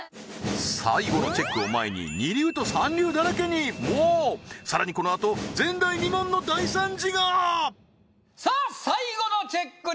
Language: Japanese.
最後のチェックを前に二流と三流だらけにもうさらにこのあと前代未聞の大惨事がさあ最後のチェックにまいりましょう！